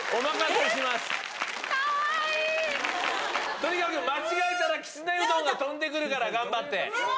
とにかく間違えたらきつねうどんが飛んでくるから頑張って。